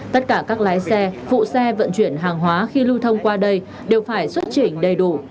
tất cả các lái xe phụ xe vận chuyển hàng hóa khi lưu thông qua đây đều phải xuất trình đầy đủ